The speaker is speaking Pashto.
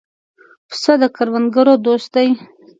پسه د کروندګرو دوست دی.